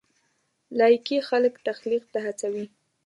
لایکي خلک تخلیق ته هڅوي.